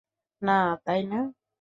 না, তাই না?